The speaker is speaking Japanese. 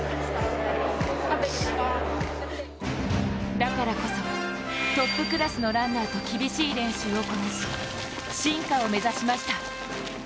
だからこそ、トップクラスのランナーと厳しい練習をこなし進化を目指しました。